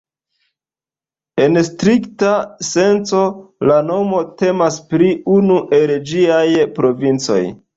En strikta senco, la nomo temas pri unu el ĝiaj provincoj.